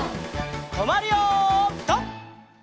とまるよピタ！